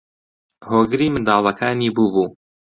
هۆگری منداڵەکانی بووبوو